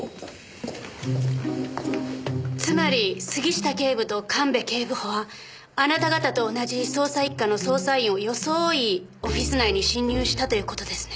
つまり杉下警部と神戸警部補はあなた方と同じ捜査一課の捜査員を装いオフィス内に侵入したという事ですね？